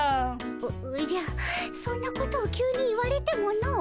おおじゃそんなことを急に言われてもの。